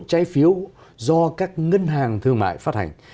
trái phiếu do các ngân hàng thương mại phát hành